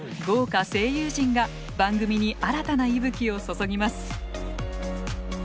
豪華声優陣が番組に新たな息吹を注ぎます。